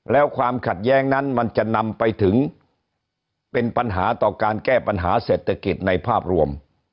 แล้วความขัดแย้งนั้นมันจะนำไปถึงเป็นปัญหาต่อการแก้ปัญหาเศรษฐกิจในภาพรวม